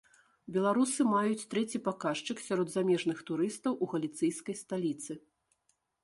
Беларусы маюць трэці паказчык сярод замежных турыстаў у галіцыйскай сталіцы.